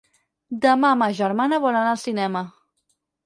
Demà ma germana vol anar al cinema.